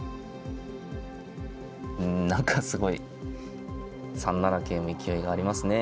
うん何かすごい３七桂も勢いがありますね。